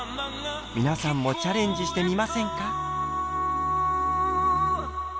皆さんもチャレンジしてみませんか？